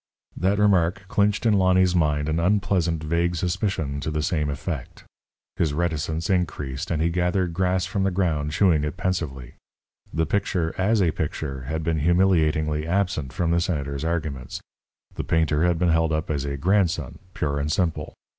That remarked clinched in Lonny's mind an unpleasant, vague suspicion to the same effect. His reticence increased, and he gathered grass from the ground, chewing it pensively. The picture as a picture had been humiliatingly absent from the Senator's arguments. The painter had been held up as a grandson, pure and simple.